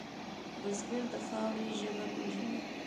بزګر د خاورې ژبه پېژني